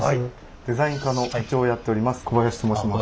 デザイン課の課長をやっております